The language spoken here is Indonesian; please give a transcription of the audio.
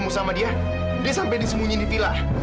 tapi ketemu sama dia dia sampe disemunyi di vila